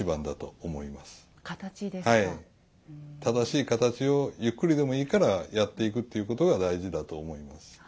正しい形をゆっくりでもいいからやっていくっていうことが大事だと思います。